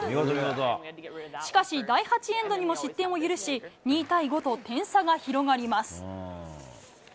しかし、第８エンドにも失点を許し、２対５と点差が広がります。